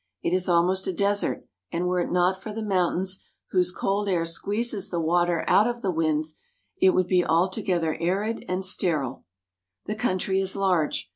It is almost a desert, and were it not for the mountains whose cold air squeezes the water out of the winds, it would be al together arid and sterile. The country is large.